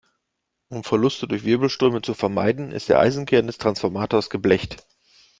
Um Verluste durch Wirbelströme zu vermeiden, ist der Eisenkern des Transformators geblecht.